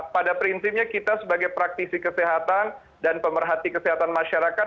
pada prinsipnya kita sebagai praktisi kesehatan dan pemerhati kesehatan masyarakat